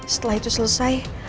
setelah itu selesai